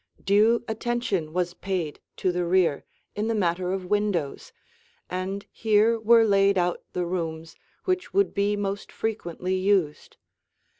Due attention was paid to the rear, in the matter of windows, and here were laid out the rooms which would be most frequently used.